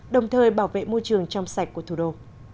đồng thời bảo vệ môi trường trong sạch của thủ đô